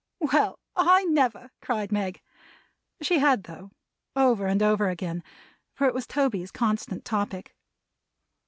"Well, I never!" cried Meg. She had, though over and over again. For it was Toby's constant topic.